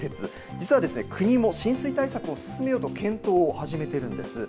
実は国も浸水対策を進めようと、検討を始めているんです。